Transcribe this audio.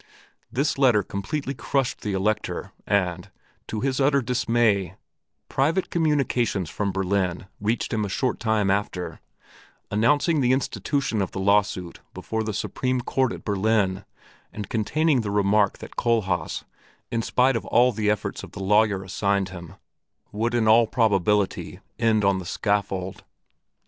This letter completely crushed the Elector and, to his utter dismay, private communications from Berlin reached him a short time after, announcing the institution of the lawsuit before the Supreme Court at Berlin and containing the remark that Kohlhaas, in spite of all the efforts of the lawyer assigned him, would in all probability end on the scaffold.